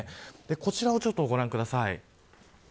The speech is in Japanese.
こちらをご覧ください。